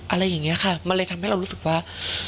อะไรอย่างนี้ค่ะมันเลยทำให้เรารู้สึกว่า